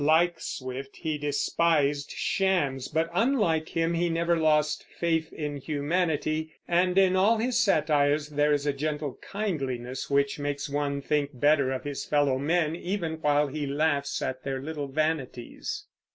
Like Swift, he despised shams, but unlike him, he never lost faith in humanity; and in all his satires there is a gentle kindliness which makes one think better of his fellow men, even while he laughs at their little vanities.